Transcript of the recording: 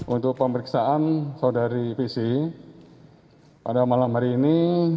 untuk pemeriksaan saudari pc pada malam hari ini